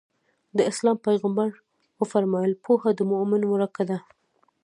د اسلام پيغمبر ص وفرمايل پوهه د مؤمن ورکه ده.